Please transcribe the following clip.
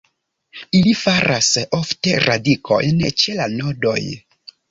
Ili faras ofte radikojn ĉe la nodoj.